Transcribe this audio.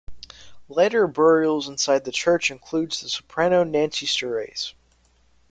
Later burials inside the church includes the soprano Nancy Storace.